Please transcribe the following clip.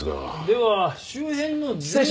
では周辺の全体。